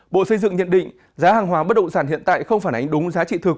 bộ xây dựng nhận định giá hàng hóa bất động sản hiện tại không phản ánh đúng giá trị thực